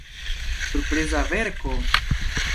Surpriza verko!